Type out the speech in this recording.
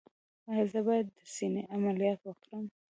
ایا زه باید د سینې عملیات وکړم؟